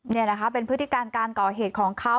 นี่นะคะเป็นพฤติการการก่อเหตุของเขา